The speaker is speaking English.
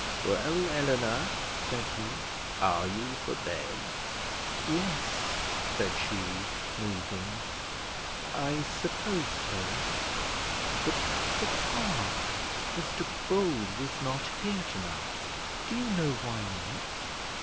"Well, Eleanor," said he, "are you for bed?" "Yes," said she, moving, "I suppose so; but papa Mr Bold was not here tonight; do you know why not?"